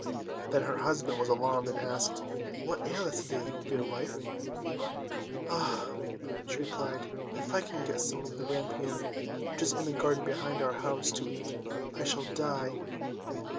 Then her husband was alarmed, and asked, "What aileth thee, dear wife?" "Ah," she replied, "if I can't get some of the rampion, which is in the garden behind our house, to eat, I shall die."